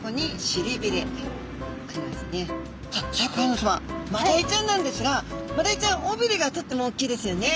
シャーク香音さまマダイちゃんなんですがマダイちゃん尾びれがとってもおっきいですよね